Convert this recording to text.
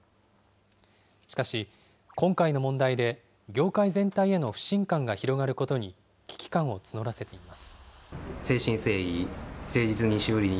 しかし、今回の問題で、業界全体への不信感が広がることに危機感を募らせています。